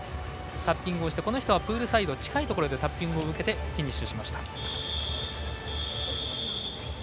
この人はプールサイドの近いところでタッピングを受けてフィニッシュしました。